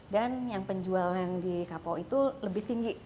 dan yang penjualan di kapau itu lebih tinggi